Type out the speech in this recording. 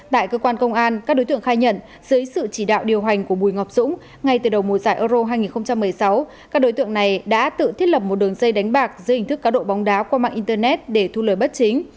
tại cơ quan công an các đối tượng khai nhận dưới sự chỉ đạo điều hành của bùi ngọc dũng ngay từ đầu mùa giải euro hai nghìn một mươi sáu các đối tượng này đã tự thiết lập một đường dây đánh bạc dưới hình thức cá độ bóng đá qua mạng internet để thu lời bất chính